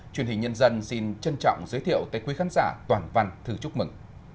truyền hình nhân dân xin trân trọng giới thiệu tới quý khán giả toàn văn thư chúc mừng